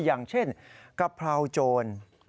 อย่างเช่นกะเพราโจร